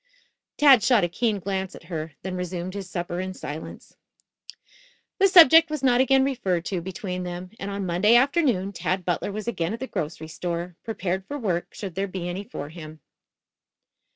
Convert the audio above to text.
Tad shot a keen glance at her, then resumed his supper in silence. The subject was not again referred to between them, and on Monday afternoon Tad Butler was again at the grocery store, prepared for work should there be any for him.